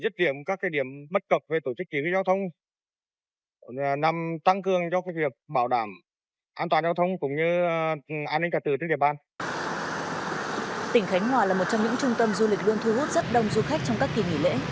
tỉnh khánh hòa là một trong những trung tâm du lịch luôn thu hút rất đông du khách trong các kỳ nghỉ lễ